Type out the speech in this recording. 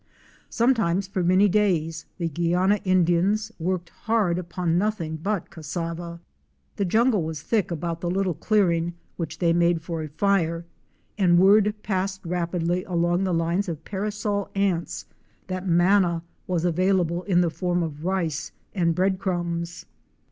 Sometimes for many days the Guiana Indians worked hard upon nothing but cassava. The jungle was thick about the little clearing which they made for a fire, and word passed rapidly along the lines of parasol ants that manna was available in the form of rice and bread crumbs.